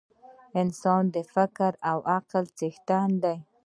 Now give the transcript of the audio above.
انسان د فکر او عقل څښتن دی.